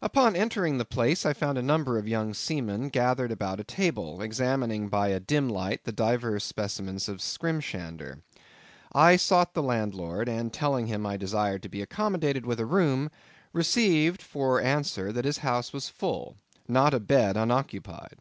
Upon entering the place I found a number of young seamen gathered about a table, examining by a dim light divers specimens of skrimshander. I sought the landlord, and telling him I desired to be accommodated with a room, received for answer that his house was full—not a bed unoccupied.